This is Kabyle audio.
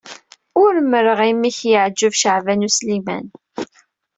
Umreɣ imi ay k-yeɛjeb Caɛban U Sliman.